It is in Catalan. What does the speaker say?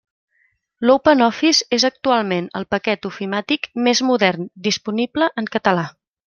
L'OpenOffice és actualment el paquet ofimàtic més modern disponible en català.